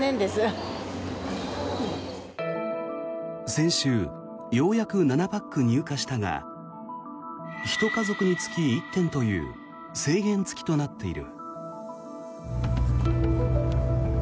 先週ようやく７パック入荷したが１家族につき１点という制限付きとなっている。